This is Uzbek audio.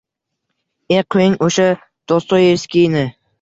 E, qo’ying, o’sha Dostoevskiyni.